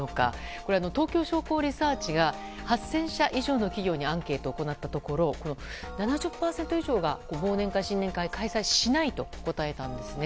これは東京商工リサーチが８０００社以上の企業にアンケートを行ったところ７０％以上が忘年会、新年会を開催しないと答えたんですね。